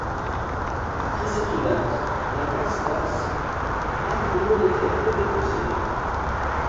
Après cette date, la taxe passe à pour monétaires de biens possédés.